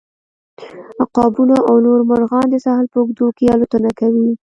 عقابونه او نور مرغان د ساحل په اوږدو کې الوتنه کوي